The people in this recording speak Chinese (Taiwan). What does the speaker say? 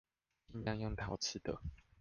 盡量用陶瓷的